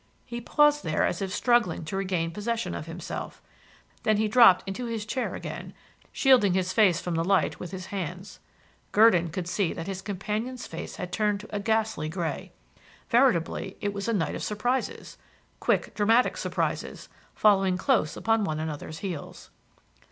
He paused there as if struggling to regain possession of himself; then he dropped into his chair again, shielding his face from the light with his hands. Gurdon could see that his companion's face had turned to a ghastly grey. Veritably it was a night of surprises, quick, dramatic surprises, following close upon one another's heels.